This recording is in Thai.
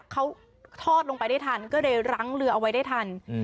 เขาทอดลงไปได้ทันก็เลยรั้งเรือเอาไว้ได้ทัน